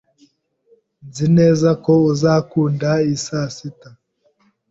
Nzi neza ko uzakunda iyi sasita.